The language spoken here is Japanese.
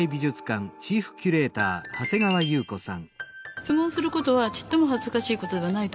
質問することははずかしいことではないと思います。